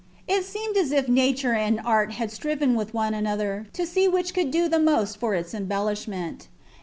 It seemed as if nature and art had striven with one another to see which could do the most for its embellishment.